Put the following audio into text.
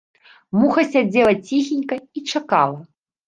Муха сядзела ціхенька і чакала.